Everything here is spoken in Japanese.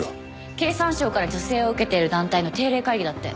経産省から助成を受けている団体の定例会議だって。